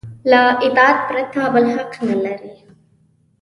له اطاعت پرته بل حق نه لري.